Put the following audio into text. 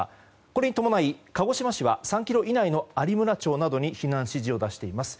これに伴い鹿児島市は３ｋｍ以内の有村町などに避難指示を出しています。